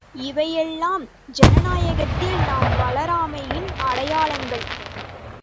இவையெல்லாம் ஜனநாயகத்தில் நாம் வளராமையின் அடையாளங்கள்!